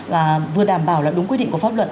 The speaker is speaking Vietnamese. và vừa đảm bảo là đúng quy định của pháp luật